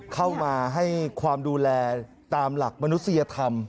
เข้ามาให้ความดูแลตามหลักมนุษยธรรม